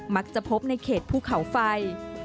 มักจะพบในเขตภูเขาไฟ